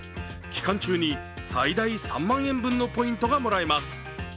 期間中に最大３万円分のポイントがもらえます。